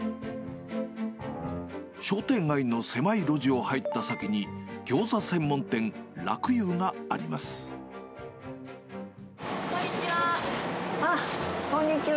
商店街の狭い路地を入った先に、ギョーザ専門店、こんにちは。